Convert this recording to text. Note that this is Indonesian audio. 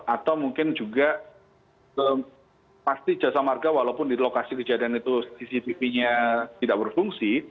atau mungkin juga pasti jasa marga walaupun di lokasi kejadian itu cctv nya tidak berfungsi